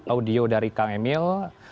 audio dari kang emil